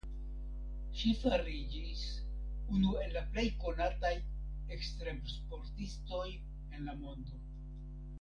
Ŝi fariĝis unu el la plej konataj ekstremsportistoj en la mondo.